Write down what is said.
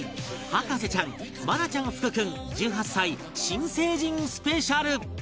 『博士ちゃん』愛菜ちゃん福君１８歳新成人スペシャル